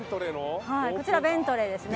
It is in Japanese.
こちらベントレーですね。